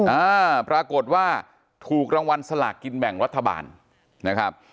อ่าปรากฏว่าถูกรางวัลสลากกินแบ่งรัฐบาลนะครับ